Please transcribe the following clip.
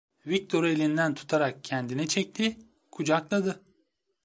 Viktor'u elinden tutarak kendine çekti, kucakladı…